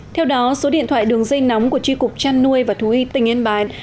theo đó số điện thoại đường dây nóng của tri cục trăn nui và thú y tỉnh yên bài